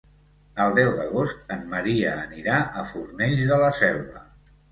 El deu d'agost en Maria anirà a Fornells de la Selva.